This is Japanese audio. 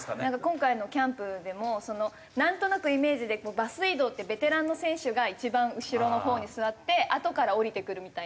今回のキャンプでもなんとなくイメージでバス移動ってベテランの選手が一番後ろのほうに座ってあとから降りてくるみたいな。